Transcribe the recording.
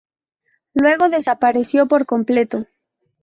Luego desapareció por completo.